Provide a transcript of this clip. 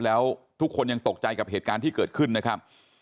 แล้วทุกคนยังตกใจกับเหตุการณ์ที่เกิดขึ้นนะครับ